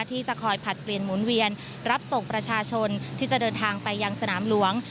ที่จะคอยผลัดเปลี่ยนหมุนเวียนรับส่งประชาชนที่จะเดินทางไปยังสนามหลวง